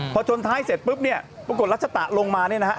พอชนท้ายเสร็จปุ๊บเนี่ยปรากฏรัชตะลงมาเนี่ยนะฮะ